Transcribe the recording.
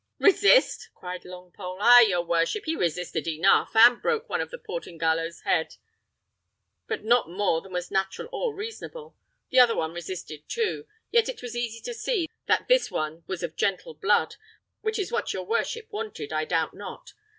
"Resist!" cried Longpole; "ay, your worship, he resisted enough, and broke one of the Portingallos' heads, but not more than was natural or reasonable. The other one resisted too; yet it was easy to see that this one was of gentle blood, which was what your worship wanted, I doubt not.